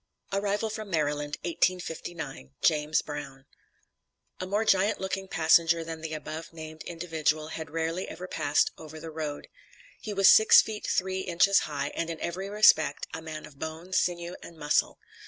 ARRIVAL FROM MARYLAND, 1859. JAMES BROWN. A more giant like looking passenger than the above named individual had rarely ever passed over the road. He was six feet three inches high, and in every respect, a man of bone, sinew and muscle.